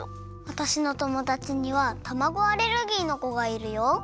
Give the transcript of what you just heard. わたしのともだちにはたまごアレルギーのこがいるよ。